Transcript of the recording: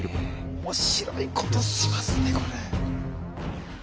面白いことしますねこれ。